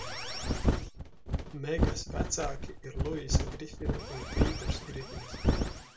Megas vecāki ir Luisa Grifina un Pīters Grifins.